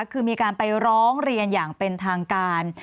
คือมีการไปร้องเรียนอย่างเป็นทางการ